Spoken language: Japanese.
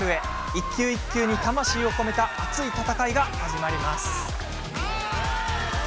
一球一球に魂をこめた熱い戦いが始まります。